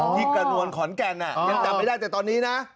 ที่กระนวลขอนแก่นยังจำไม่ได้แต่ตอนนี้นะ